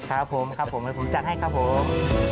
ครับผมครับผมผมจัดให้ครับผม